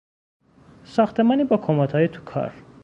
ساختمانی با کمدهای توکار